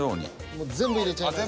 もう全部入れちゃいます。